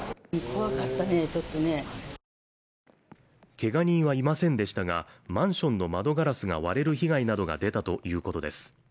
けが人はいませんでしたがマンションの窓ガラスが割れる被害などが出たということです。